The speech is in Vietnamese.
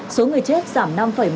số người chết giảm năm một mươi bảy